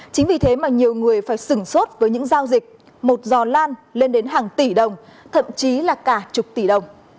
chính vì thế mà nhiều người phải sửng sốt với những giao dịch một giò lan lên đến hàng tỷ đồng thậm chí là cả chục tỷ đồng